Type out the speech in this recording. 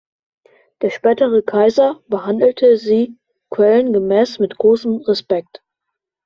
Der spätere Kaiser behandelte sie Quellen gemäß mit großem Respekt.